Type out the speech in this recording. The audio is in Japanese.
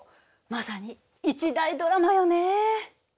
まさに一大ドラマよね。